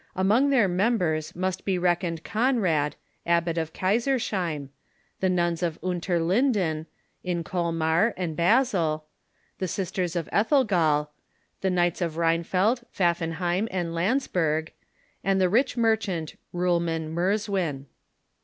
Among their members must be reckoned Conrad, abbot of Kaisersheim ; the nuns of LTnterlinden, in Colmar and Ba sel ; the sisters of Engelthal ; the knights of Rheinfeld, Pfaf f enheim, and Landsberg ; and the rich merchant Rulman Mers win.